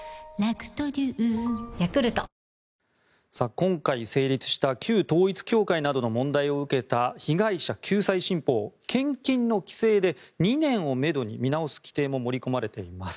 今回成立した旧統一教会などの問題を受けた被害者救済新法献金の規制で２年をめどに見直す規定も盛り込まれています。